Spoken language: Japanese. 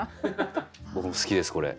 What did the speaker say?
僕も好きですこれ。